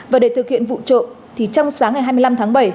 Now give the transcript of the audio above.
và để thực hiện vụ trộm thì trong sáng ngày hai mươi năm tháng bảy